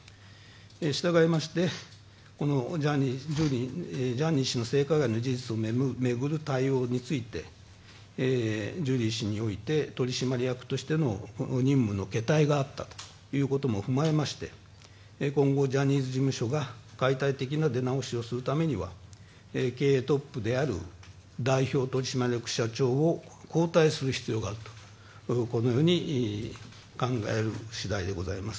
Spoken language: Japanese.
したがいまして、ジャニー氏の性加害の事実を巡る対応についてジュリー氏において取締役としての任務のけ怠があったことも踏まえまして今後、ジャニーズ事務所が出直しをするためには経営トップである、代表取締役社長を交代する必要があるとこのように考える次第でございます。